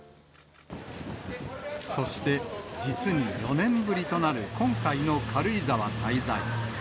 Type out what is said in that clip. そして実に４年ぶりとなる今回の軽井沢滞在。